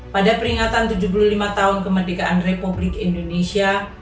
pada peringatan tujuh puluh lima tahun kemerdekaan republik indonesia